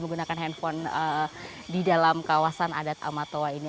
menggunakan handphone di dalam kawasan adat amatoa ini